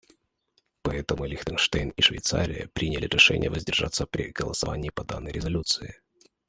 Поэтому Лихтенштейн и Швейцария приняли решение воздержаться при голосовании по данной резолюции.